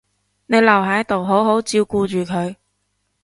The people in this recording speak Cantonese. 你留喺度好好照顧住佢